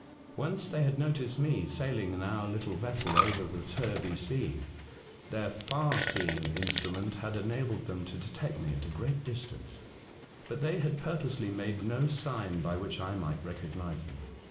Once they had noticed me sailing in our little vessel over the Terby Sea. Their far seeing instrument had enabled them to detect me at a great distance, but they had purposely made no sign by which I might recognise them.